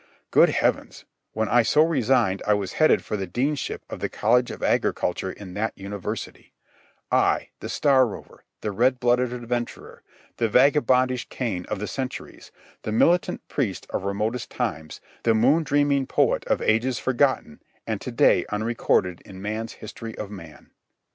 Good heavens, when I so resigned I was headed for the Deanship of the College of Agriculture in that university—I, the star rover, the red blooded adventurer, the vagabondish Cain of the centuries, the militant priest of remotest times, the moon dreaming poet of ages forgotten and to day unrecorded in man's history of man!